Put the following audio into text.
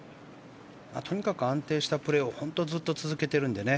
とにかく安定したプレーをずっと続けているのでね。